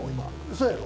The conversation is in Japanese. そうやろ？